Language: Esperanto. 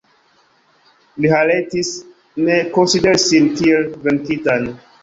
Rhalettis ne konsideris sin kiel venkitan.